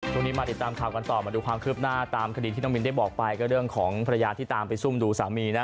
มาติดตามข่าวกันต่อมาดูความคืบหน้าตามคดีที่น้องมินได้บอกไปก็เรื่องของภรรยาที่ตามไปซุ่มดูสามีนะ